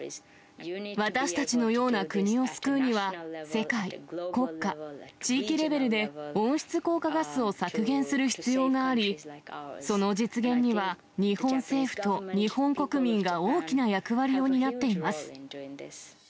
私たちのような国を救うには、世界、国家、地域レベルで温室効果ガスを削減する必要があり、その実現には、日本政府と日本国民が大きな役割を担っています。